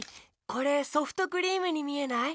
これソフトクリームにみえない？